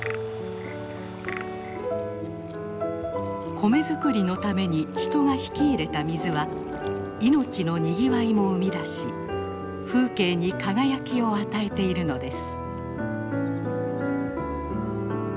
米作りのために人が引き入れた水は命のにぎわいも生み出し風景に輝きを与えているのです。